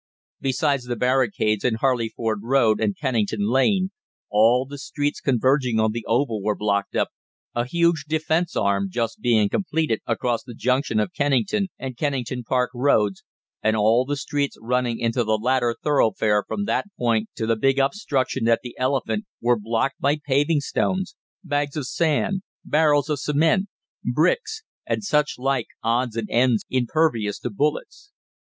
Besides the barricades in Harleyford Road and Kennington Lane, all the streets converging on the "Oval" were blocked up, a huge defence arm just being completed across the junction of Kennington and Kennington Park Roads, and all the streets running into the latter thoroughfare from that point to the big obstruction at the "Elephant" were blocked by paving stones, bags of sand, barrels of cement, bricks, and such like odds and ends impervious to bullets.